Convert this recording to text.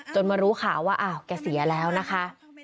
มารู้ข่าวว่าอ้าวแกเสียแล้วนะคะ